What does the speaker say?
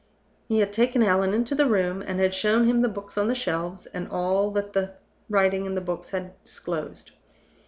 He had taken Allan into the room, and had shown him the books on the shelves, and all that the writing in the books disclosed.